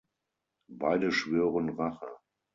Beide schwören Rache.